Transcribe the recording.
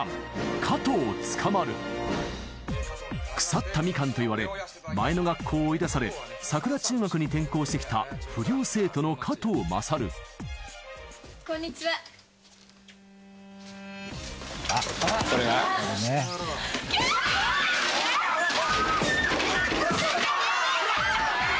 腐ったミカンと言われ前の学校を追い出され桜中学に転校してきた不良生徒の加藤優こんにちはこらっ！